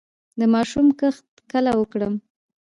د ماشو کښت کله وکړم؟